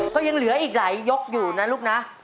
ก็ยังเหลืออีกหลายยกอยู่นะลูกนะ